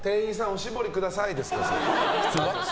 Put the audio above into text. おしぼりくださいですから普通は。